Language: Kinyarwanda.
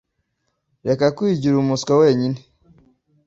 Reka kwigira umuswa wenyine.